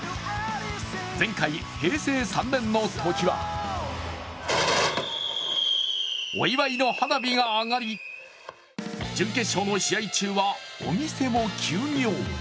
前回平成３年のときはお祝いの花火が上がり準決勝の試合中はお店も休業。